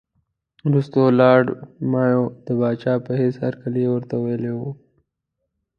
وروسته لارډ مایو د پاچا په حیث هرکلی ورته ویلی وو.